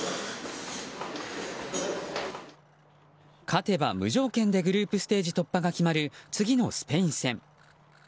勝てば無条件でグループステージ突破が決まる次のスペイン戦。